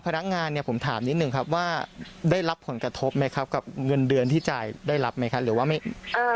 น่าจะไม่ได้เป็นจำโรงงานน่าจะเป็นการเข้าใจผิดอะไรประมาณนี้ค่ะ